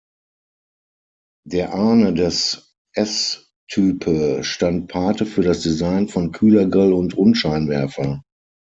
Der Ahne des S-Type stand Pate für das Design von Kühlergrill und Rundscheinwerfer.